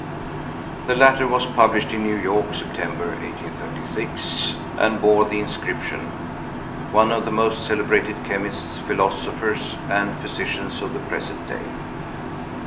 The latter was published in New York, September, 1836, and bore the inscription: "One of the most celebrated Chemists, Philosophers, and Physicians of the present day."